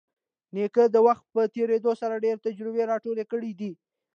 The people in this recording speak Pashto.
نیکه د وخت په تېرېدو سره ډېرې تجربې راټولې کړي دي.